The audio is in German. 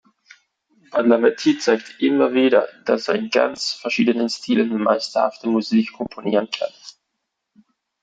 Badalamenti zeigt immer wieder, dass er in ganz verschiedenen Stilen meisterhafte Musik komponieren kann.